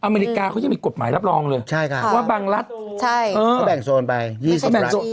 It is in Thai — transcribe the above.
อเมริกาเขายังมีกฎหมายรับรองเลยว่าบางรัฐเขาแบ่งโซนไป๒๐รัฐ